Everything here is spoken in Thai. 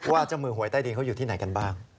เจ้ามือหวยใต้ดินเขาอยู่ที่ไหนกันบ้าง